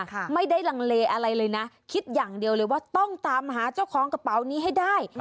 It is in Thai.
ไม่ได้ลังเลอะไรเลยนะคิดอย่างเดียวเลยว่าต้องตามหาเจ้าของกระเป๋านี้ให้ได้